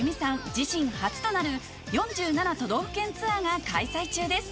自身初となる４７都道府県ツアーが開催中です